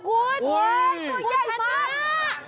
เฮ้ยตัวใหญ่มากคุณชนะ